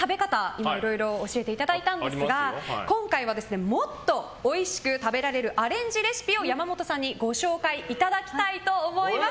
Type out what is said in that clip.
今、いろいろ教えていただいたんですが今回はもっとおいしく食べられるアレンジレシピを山本さんにご紹介いただきたいと思います。